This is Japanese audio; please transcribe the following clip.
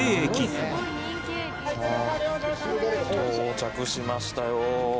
徳永：到着しましたよ